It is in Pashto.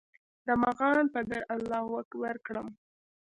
د مغان پر در الله اکبر کړم